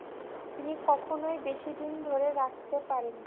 তিনি কখনোই বেশিদিন ধরে রাখতে পারেননি।